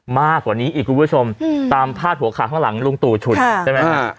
มากกว่านี้อีกคุณผู้ชมตามพาดหัวข่าวข้างหลังลุงตู่ฉุนใช่ไหมฮะ